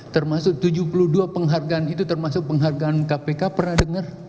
termasuk tujuh puluh dua penghargaan itu termasuk penghargaan kpk pernah dengar